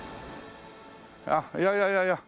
あっいやいやいやいや。